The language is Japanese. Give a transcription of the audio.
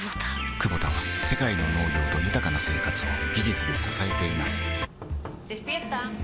クボタは世界の農業と豊かな生活を技術で支えています起きて。